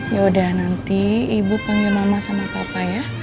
ya udah nanti ibu panggil mama sama papa ya